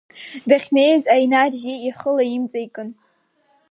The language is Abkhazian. Дахьнеиз, Аинар-жьи ихы лаимҵеикын…